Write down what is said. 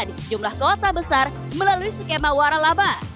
di sejumlah kota besar melalui skema warah laba